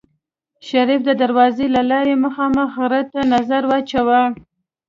شريف د دروازې له لارې مخامخ غره ته نظر واچوه.